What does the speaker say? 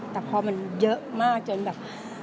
แต่พอมันเยอะมากจนแบบ